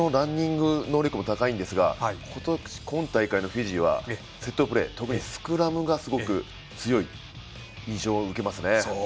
バックスのランニング能力も高いんですが今大会のフィジーはセットプレー特に、スクラムがすごく強い印象を受けますね。